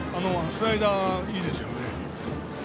スライダーいいですよね。